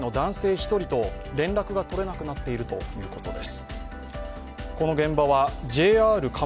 一人と連絡が取れなくなっているということです。